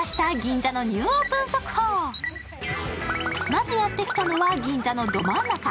まずやってきたのは銀座のど真ん中。